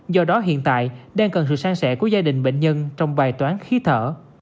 do đó hiện tại đang cần sự sang sẻ của gia đình bệnh nhân trong bài toán khí thở